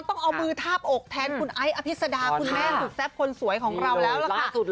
ต้องเอามือทาบอกแทนคุณไอ้อภิษดาคุณแม่สุดแซ่บคนสวยของเราแล้วล่ะค่ะ